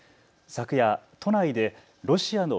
昨夜、都内でロシアの